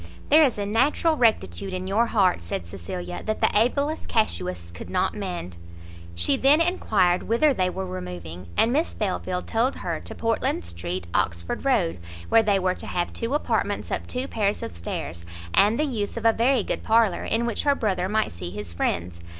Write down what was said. "There is a natural rectitude in your heart," said Cecilia, "that the ablest casuists could not mend." She then enquired whither they were removing, and Miss Belfield told her to Portland Street, Oxford Road, where they were to have two apartments up two pair of stairs, and the use of a very good parlour, in which her brother might see his friends.